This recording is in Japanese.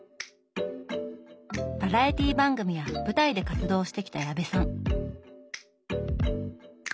バラエティー番組や舞台で活動してきた矢部さん。